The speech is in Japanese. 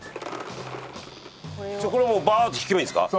これをもうバーッと敷けばいいんですか？